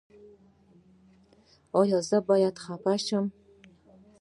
ایا زه باید خفه شم؟